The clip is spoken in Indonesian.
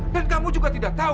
dan kamu juga tidak tahu